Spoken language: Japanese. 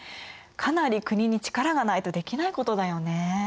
かなり国に力がないとできないことだよね。